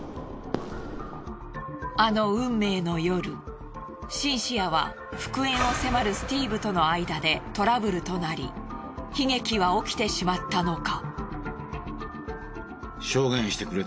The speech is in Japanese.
あの運命の夜シンシアは復縁を迫るスティーブとの間でトラブルとなり悲劇は起きてしまったのか。